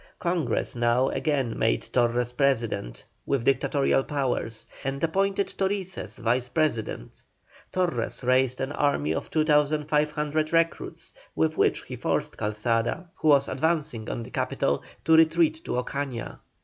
Congress now again made Torres President, with dictatorial powers, and appointed Torices Vice President. Torres raised an army of 2,500 recruits, with which he forced Calzada, who was advancing on the capital, to retreat to Ocaña.